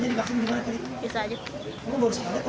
kamu baru sekali atau baru